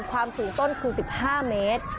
ความสูงต้นคือ๑๕เมตร